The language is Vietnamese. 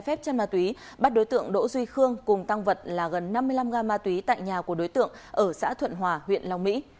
công an huyện long mỹ đã bắt đối tượng đỗ duy khương cùng tăng vật là gần năm mươi năm gram ma túy tại nhà của đối tượng ở xã thuận hòa huyện long mỹ